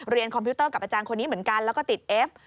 คอมพิวเตอร์กับอาจารย์คนนี้เหมือนกันแล้วก็ติดเอฟ